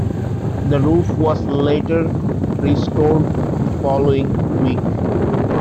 The roof was later restored the following week.